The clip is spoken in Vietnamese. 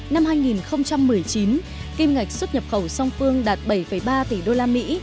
năm hai nghìn một mươi chín kim ngạch xuất nhập khẩu song phương đạt bảy ba tỷ usd